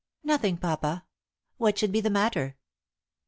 "Nothing, papa. What should be the matter?"